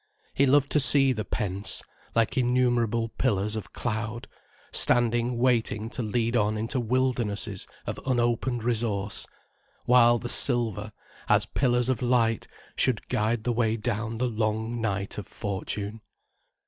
He loved to see the pence, like innumerable pillars of cloud, standing waiting to lead on into wildernesses of unopened resource, while the silver, as pillars of light, should guide the way down the long night of fortune.